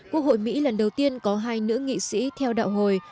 quốc hội mỹ lần đầu tiên có hai nữ nghị sĩ theo đạo hồi